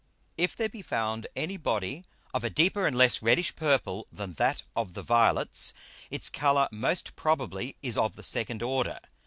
If there be found any Body of a deeper and less reddish Purple than that of the Violets, its Colour most probably is of the second Order.